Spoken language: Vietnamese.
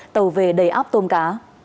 tàu về đầy áp tôm cá